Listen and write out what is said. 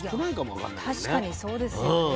いや確かにそうですよね。